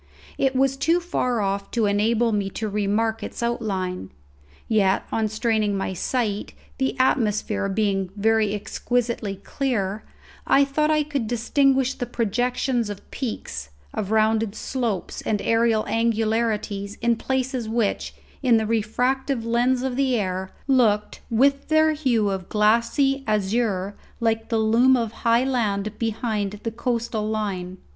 It was too far off to enable me to remark its outline; yet on straining my sight the atmosphere being very exquisitely clear I thought I could distinguish the projections of peaks, of rounded slopes, and aerial angularities in places which, in the refractive lens of the air, looked, with their hue of glassy azure, like the loom of high land behind the coastal line.